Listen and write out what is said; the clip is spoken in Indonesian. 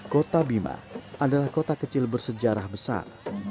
kota bima adalah kota kecil bersejarah besar